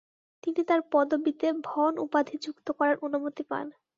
তিনি তাঁর পদবিতে "ভন" উপাধি যুক্ত করার অনুমতি পান।